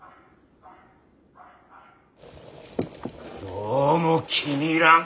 どうも気に入らん。